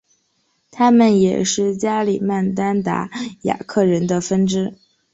他们也是加里曼丹达雅克人的分支。